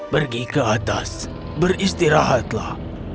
pergi ke atas beristirahatlah